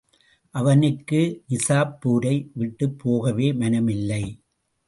அவனுக்கு நிசாப்பூரை விட்டுப் போகவே மனமில்லை.